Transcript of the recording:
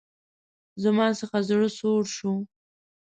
زما څخه زړه سوړ شو.